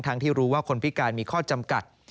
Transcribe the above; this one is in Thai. ที่รู้ว่าคนพิการมีข้อจำกัด